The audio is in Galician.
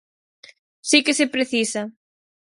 Si que se precisa.